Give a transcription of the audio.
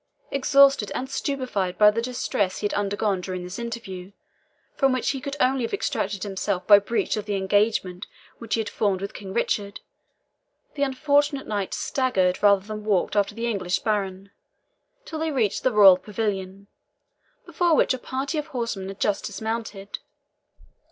Exhausted and stupefied by the distress he had undergone during this interview, from which he could only have extricated himself by breach of the engagement which he had formed with King Richard, the unfortunate knight staggered rather than walked after the English baron, till they reached the royal pavilion, before which a party of horsemen had just dismounted.